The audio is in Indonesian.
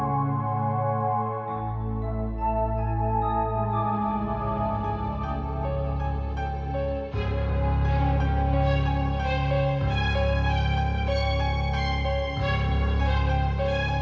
kamu lebih baik cari tukang cukur yang lain aja ya